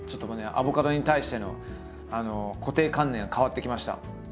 アボカドに対しての固定観念が変わってきました。